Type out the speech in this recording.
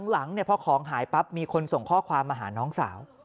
หลังพอของหายปั๊บมีคนส่งข้อความมาหาน้องสาว